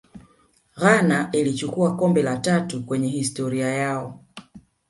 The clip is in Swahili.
ghana ilichukua kombe la tatu kwenye historia yao